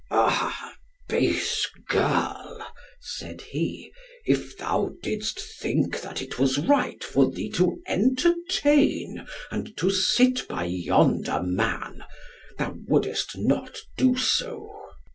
"Ah! base girl," said he, "if thou didst think that it was right for thee to entertain and to sit by yonder man; thou wouldest not do so."